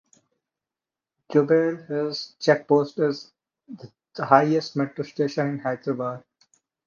Jubilee Hills Check Post is the highest metro station in Hyderabad.